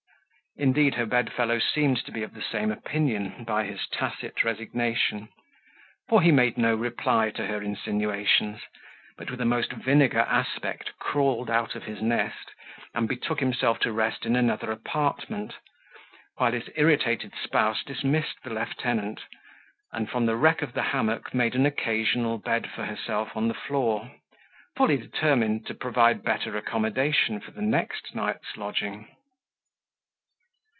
Indeed her bedfellow seemed to be of the same opinion, by his tacit resignation; for he made no reply to her insinuations, but with a most vinegar aspect crawled out of his nest, and betook himself to rest in another apartment; while his irritated spouse dismissed the lieutenant, and from the wreck of the hammock made an occasional bed for herself on the floor, fully determined to provide better accommodation for the next night's lodging.